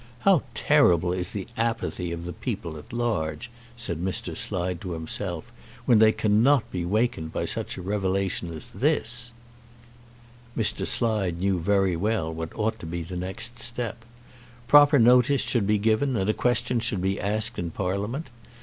"How terrible is the apathy of the people at large," said Mr. Slide to himself, "when they cannot be wakened by such a revelation as this!" Mr. Slide knew very well what ought to be the next step. Proper notice should be given and a question should be asked in Parliament.